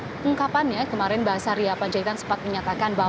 dalam ungkapannya kemarin bahasa ria panjaitan sempat menyatakan bahwa